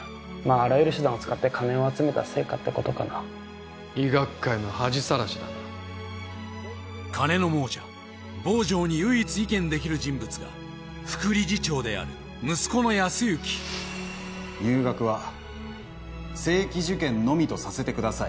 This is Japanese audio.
あらゆる手段を使って金を集めた成果ってことかな医学界の恥さらしだな金の亡者坊城に唯一意見できる人物が副理事長である息子の康之入学は正規受験のみとさせてください